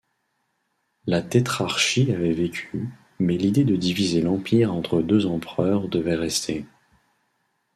La Tétrarchie avait vécu, mais l'idée de diviser l'Empire entre deux empereurs devait rester.